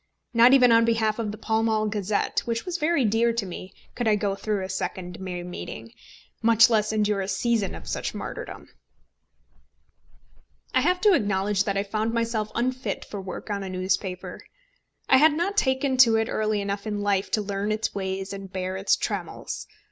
Not even on behalf of the Pall Mall Gazette, which was very dear to me, could I go through a second May meeting, much less endure a season of such martyrdom. I have to acknowledge that I found myself unfit for work on a newspaper. I had not taken to it early enough in life to learn its ways and bear its trammels.